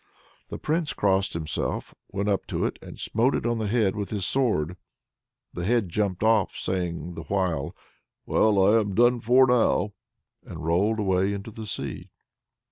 The Prince crossed himself, went up to it and smote it on the head with his sword. The head jumped off, saying the while, "Well, I'm done for now!" and rolled far away into the sea.